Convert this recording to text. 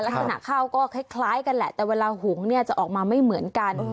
ข้าวก็คล้ายกันแหละแต่เวลาหุงเนี่ยจะออกมาไม่เหมือนกัน